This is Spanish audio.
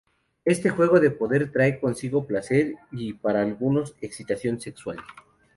Este juego de poder trae consigo placer, y para algunos, excitación sexual.